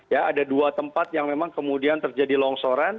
ya ada dua tempat yang memang kemudian terjadi longsoran